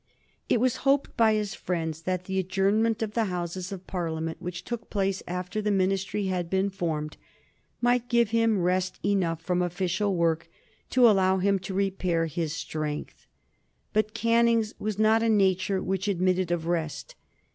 It was hoped by his friends that the adjournment of the Houses of Parliament, which took place after the Ministry had been formed, might give him rest enough from official work to allow him to repair his strength. But Canning's was not a nature which admitted of rest.